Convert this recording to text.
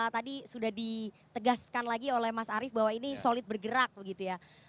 tadi sudah ditegaskan lagi oleh mas arief bahwa ini solid bergerak begitu ya